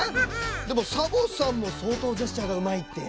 でもサボさんもそうとうジェスチャーがうまいって。